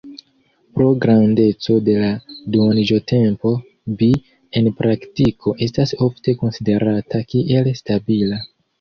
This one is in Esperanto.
Pro grandeco de la duoniĝotempo, Bi en praktiko estas ofte konsiderata kiel stabila.